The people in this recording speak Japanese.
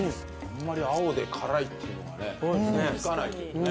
あんまり青で辛いっていうのが想像つかないけどね。